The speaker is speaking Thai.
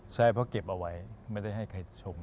ใช่เพราะเก็บเอาไว้ไม่ได้ให้ใครชม